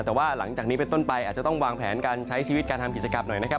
แต่ว่าหลังจากนี้เป็นต้นไปอาจจะต้องวางแผนการใช้ชีวิตการทำกิจกรรมหน่อยนะครับ